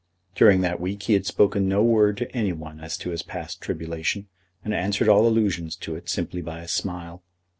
During that week he spoke no word to any one as to his past tribulation, and answered all allusions to it simply by a smile.